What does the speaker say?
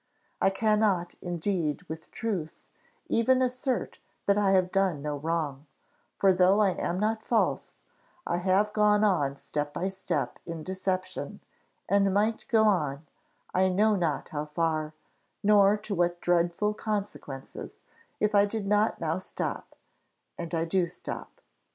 I cannot indeed, with truth, even assert that I have done no wrong; for though I am not false, I have gone on step by step in deception, and might go on, I know not how far, nor to what dreadful consequences, if I did not now stop and I do stop.